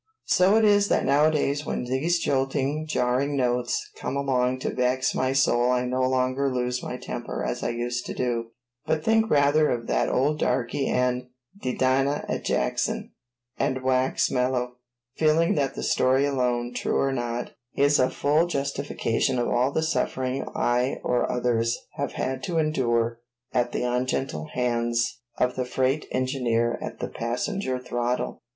So it is that nowadays when these jolting, jarring notes come along to vex my soul I no longer lose my temper as I used to do, but think rather of that old darky and "de dinah at Jackson," and wax mellow, feeling that that story alone, true or not, is a full justification of all the sufferings I or others have had to endure at the ungentle hands of the freight engineer at the passenger throttle.